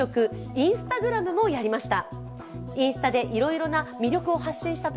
Ｉｎｓｔａｇｒａｍもやりました。